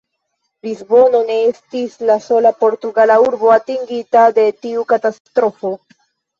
Lisbono ne estis la sola portugala urbo atingita de tiu katastrofo.